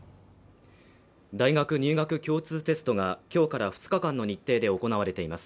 大学入学共通テストがきょうから２日間の日程で行われています